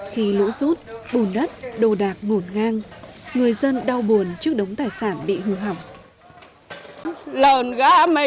khi lũ rút bùn đất đồ đạc ngổn ngang người dân đau buồn trước đống tài sản bị hư hỏng